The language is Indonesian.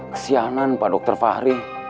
kesianan pak dr fahri